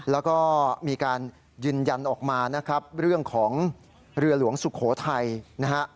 แล้วก็มีการยืนยันออกมานะครับเรื่องของเรือหลวงสุโขทัยนะฮะ